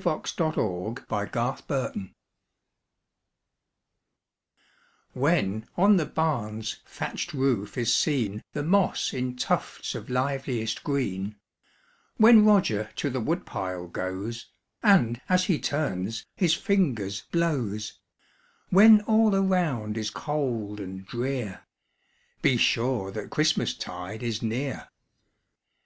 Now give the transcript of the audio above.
W. Gray Company._ SIGNS OF CHRISTMAS When on the barn's thatch'd roof is seen The moss in tufts of liveliest green; When Roger to the wood pile goes, And, as he turns, his fingers blows; When all around is cold and drear, Be sure that Christmas tide is near.